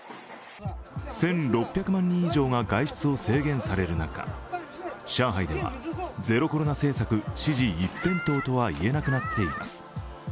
１６００万人以上が外出を制限される中上海ではゼロコロナ政策支持一辺倒とは言えなくなっています。